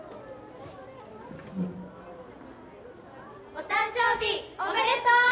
お誕生日おめでとう！